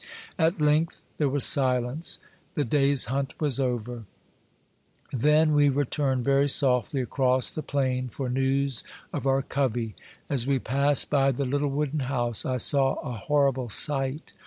At length there was silence. The day's hunt was over. 298 Monday Tales. Then we returned very softly across the plain for news of our covey. As we passed by the little wooden house, I saw a horrible sight.